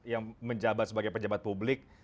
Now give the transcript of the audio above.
yang menjabat sebagai pejabat publik